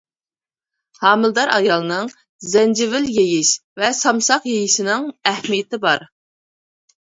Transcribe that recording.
ھامىلىدار ئايالنىڭ زەنجىۋىل يېيىش ۋە سامساق يېيىشنىڭ ئەھمىيىتى بار.